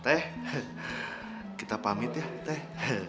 teh kita pamit ya teh